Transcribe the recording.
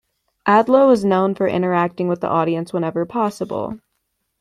Hadlow is known for interacting with the audience whenever possible.